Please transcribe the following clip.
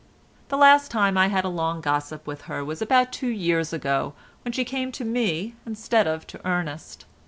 The last time I had a long gossip with her was about two years ago when she came to me instead of to Ernest.